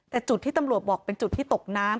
แต่จุดที่ตำรวจบอกเป็นจุดที่ตกน้ำ